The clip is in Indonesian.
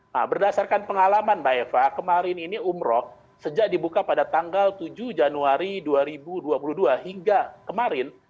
nah berdasarkan pengalaman mbak eva kemarin ini umroh sejak dibuka pada tanggal tujuh januari dua ribu dua puluh dua hingga kemarin